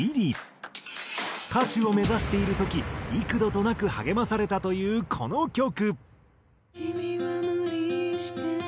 歌手を目指している時幾度となく励まされたというこの曲。